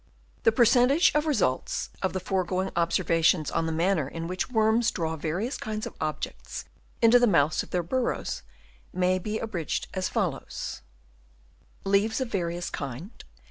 The percentage results of the foregoing ob servations on the manner in which worms draw various kinds of objects into the mouths of their burrows may be abridged as follows :— Nature of Object. Leaves of various kinds